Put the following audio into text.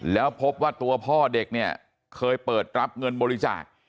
แล้วพบว่าตัวพ่อเด็กเนี่ยเคยเปิดรับเงินบริจาค